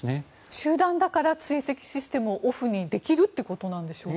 集団だから追跡システムをオフにできるということでしょうか。